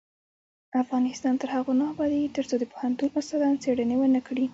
افغانستان تر هغو نه ابادیږي، ترڅو د پوهنتون استادان څیړنې ونکړي.